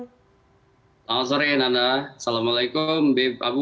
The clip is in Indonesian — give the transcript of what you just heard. selamat sore nana assalamualaikum habib abu